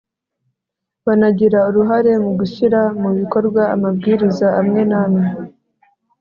banagira uruhare mu gushyira mu bikorwa amabwiriza amwe n'amwe: